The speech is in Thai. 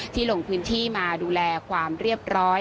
ลงพื้นที่มาดูแลความเรียบร้อย